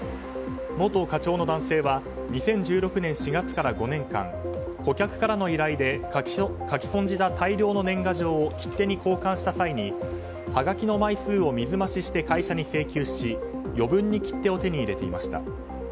元課長の男性は２０１６年４月から５年間顧客からの依頼で書き損じた大量の年賀状を切手に交換した際にはがきの枚数を水増しして会社に請求し余分に切手を手に入れていました。